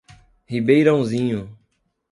Ribeirãozinho